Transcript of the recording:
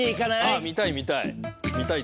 見たい見たい。